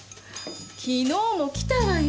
昨日も来たわよ。